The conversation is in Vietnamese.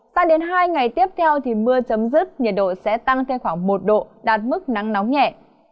sang đến hai ngày tiếp theo thì mưa chấm dứt nhiệt độ sẽ tăng thêm khoảng một độ đạt mức nắng nóng nhẹ